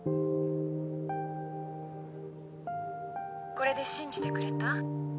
これで信じてくれた？